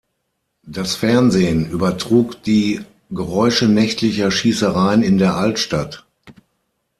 Das Fernsehen übertrug die Geräusche nächtlicher Schießereien in der Altstadt.